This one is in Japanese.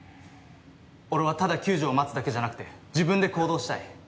俺はただ救助を待つだけじゃなくて自分で行動したい。